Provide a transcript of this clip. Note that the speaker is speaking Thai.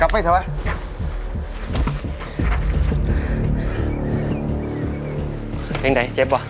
กลับไปเถอะนะ